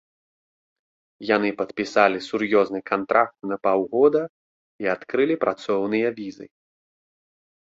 Яны падпісалі сур'ёзны кантракт на паўгода і адкрылі працоўныя візы.